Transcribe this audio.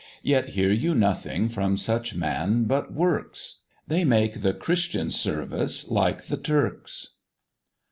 Yet hear you nothing from such man but works; They make the Christian service like the Turks.